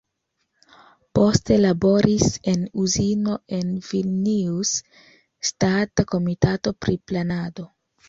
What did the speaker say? Poste laboris en uzino en Vilnius, ŝtata komitato pri planado.